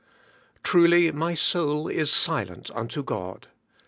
'Truly my soul is silent unto God.